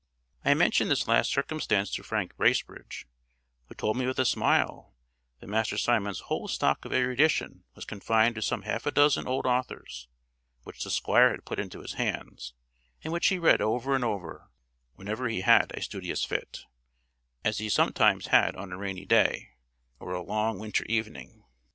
I mentioned this last circumstance to Frank Bracebridge, who told me with a smile that Master Simon's whole stock of erudition was confined to some half a dozen old authors, which the Squire had put into his hands, and which he read over and over, whenever he had a studious fit; as he sometimes had on a rainy day, or a long winter evening.